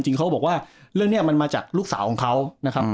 เขาก็บอกว่าเรื่องนี้มันมาจากลูกสาวของเขานะครับ